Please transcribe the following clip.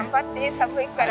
寒いから。